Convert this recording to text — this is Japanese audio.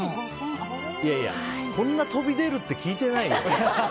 いやいや、こんな飛び出るって聞いてないよ。